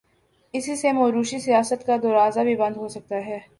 اسی سے موروثی سیاست کا دروازہ بھی بند ہو سکتا ہے۔